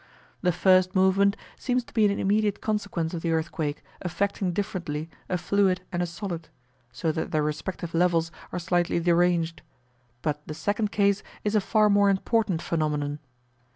The first movement seems to be an immediate consequence of the earthquake affecting differently a fluid and a solid, so that their respective levels are slightly deranged: but the second case is a far more important phenomenon.